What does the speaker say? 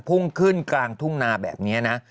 พุ่งขึ้นกลางทุ่งนาแบบนี้นะ